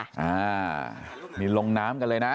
อ่านี่ลงน้ำกันเลยนะ